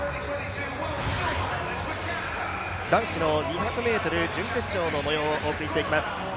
男子の２００ｍ準決勝の模様をお送りしていきます。